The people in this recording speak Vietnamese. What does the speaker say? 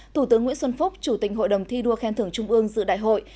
thủ tướng nguyễn xuân phúc chủ tịch hội đồng thi đua khen thưởng trung ương dự đại hội